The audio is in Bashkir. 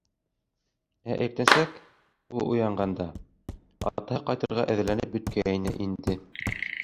Ә иртәнсәк, ул уянғанда, атаһы ҡайтырға әҙерләнеп бөткәйне инде.